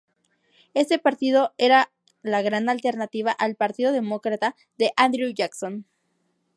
Este partido era la gran alternativa al Partido Demócrata de Andrew Jackson.